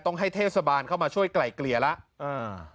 ให้เทศบาลเข้ามาช่วยไกล่เกลี่ยแล้ว